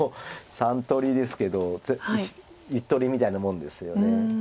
３通りですけど１通りみたいなもんですよね。